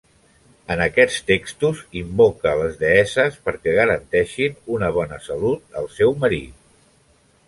En aquests textos, invoca les deesses perquè garanteixin una bona salut al seu marit.